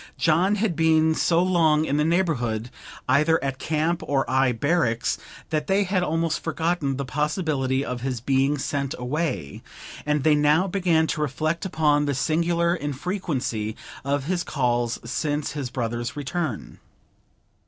John had been so long in the neighbourhood, either at camp or in barracks, that they had almost forgotten the possibility of his being sent away; and they now began to reflect upon the singular infrequency of his calls since his brother's return.